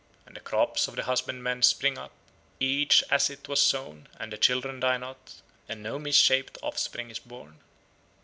And the crops of the husbandmen spring up, each as it was sown, and the children die not, and no misshaped offspring is born."